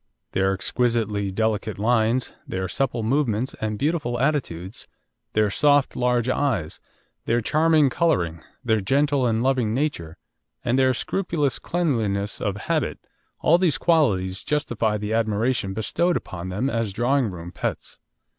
Their exquisitely delicate lines, their supple movements and beautiful attitudes, their soft large eyes, their charming colouring, their gentle and loving nature, and their scrupulous cleanliness of habit all these qualities justify the admiration bestowed upon them as drawing room pets.